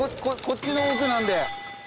こっちの奥なんで。